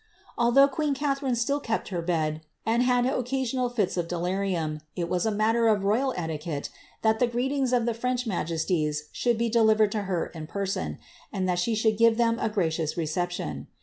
Although queen Catharine still kept her bed, and had occasional fits of delirium, it was a matter of royal etiquette that the greetings of their French majesties should be delivered to her in person, and that slie should give them a gracious reception.